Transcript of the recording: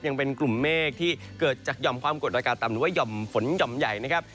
ยังเป็นกลุ่มเมฆที่เกิดจากหย่อมความกดอากาศต่ำหรือว่าหย่อมฝนหย่อมใหญ่นะครับ